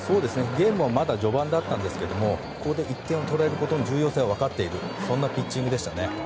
ゲームはまだ序盤だったんですけどここで１点を取られることの重要性は分かっているというピッチングでしたね。